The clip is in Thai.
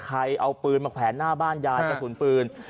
ใครเอาปืนมาแขวนหน้าบ้านยายกระสุนปืน